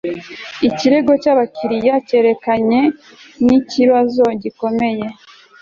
ikirego cyabakiriya cyerekeranye nikibazo gikomeye